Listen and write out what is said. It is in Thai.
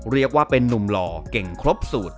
เรียกว่าเป็นนุ่มหล่อเก่งครบสูตร